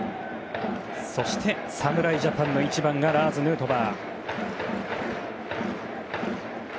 侍ジャパンの１番はラーズ・ヌートバー。